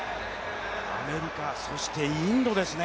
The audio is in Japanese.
アメリカ、そしてインドですね。